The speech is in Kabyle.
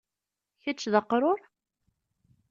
kečč d aqrur?